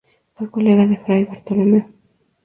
Fue colega de Fray Bartolomeo.